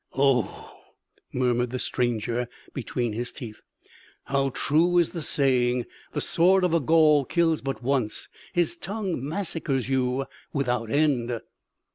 "O!" murmured the stranger between his teeth, "how true is the saying: 'The Sword of a Gaul kills but once, his tongue massacres you without end!'"